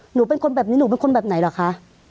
หนูเป็นคนแบบนี้หนูเป็นคนแบบไหนเหรอคะ